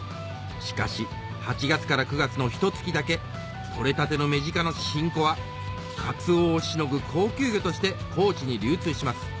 しかし８月から９月のひと月だけ取れたてのメジカの新子はカツオをしのぐ高級魚として高知に流通します